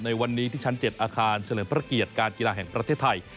ในวันนี้ที่ชั้น๗อาคารเฉลิมพระเกียรติการกีฬาแห่งประเทศไทย